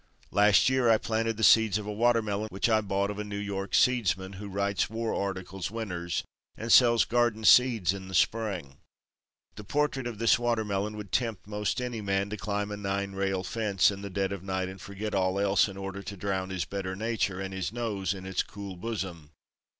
Last year I planted the seeds of a watermelon which I bought of a New York seedsman who writes war articles winters and sells garden seeds in the Spring. The portrait of this watermelon would tempt most any man to climb a nine rail fence in the dead of night and forget all else in order to drown his better nature and his nose in its cool bosom.